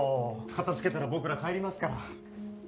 片付けたら僕ら帰りますから。